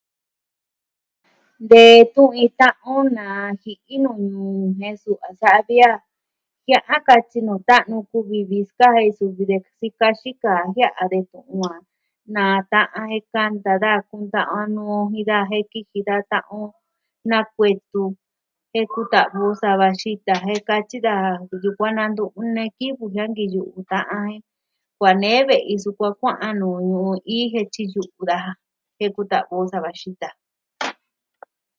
De tuvi ta'an o na ji'i nuu nuu jen suu, a sa'a vi a jia'a katyi nuu ta'nu kuvi vi skaa jen suvi de sika xika jia'a de tu'un a nata'an jen kanta da kuntaa a nu jin da jen kiji da ta'an o nakuetu. Jen kuta'vi o sava xita jen katyi daja ntu ku kuaan nantu'u ne kivɨ jiankiyu ta'an e. Kuaa nee ve'i sukua o kuaa a nuu iin jen tyi suku daa. Ke kuta'vi o sava xita.